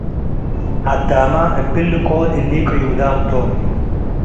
ዐዳመ እብሊ ቆል እሊ ቅዩዳም ቶም ።